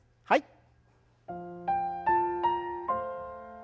はい。